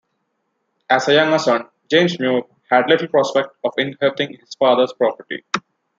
As a younger son James Muir had little prospect of inheriting his father's property.